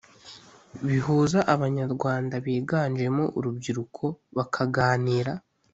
bihuza abanyarwanda biganjemo urubyiruko bakaganira